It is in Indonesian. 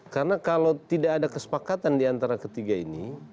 karena kalau tidak ada kesepakatan di antara ketiga ini